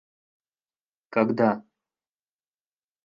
когда